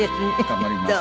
頑張ります。